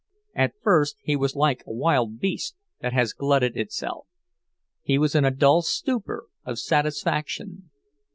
At first he was like a wild beast that has glutted itself; he was in a dull stupor of satisfaction.